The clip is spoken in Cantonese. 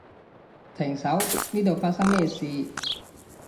停手，呢度發生咩事？